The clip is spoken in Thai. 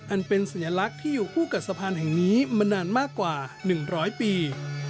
อันเป็นสัญลักษณ์ที่อยู่คู่กับสะพานแห่งนี้มานานมากกว่า๑๐๐ปี